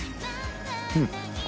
うん。